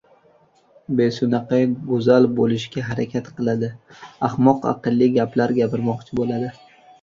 • Besunaqay go‘zal bo‘lishga harakat qiladi, ahmoq aqlli gaplar gapirmoqchi bo‘ladi.